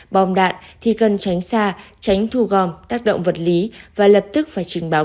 bom đạn thì cần tránh xa tránh thu gom tác động vật lý và lập tức phải trình báo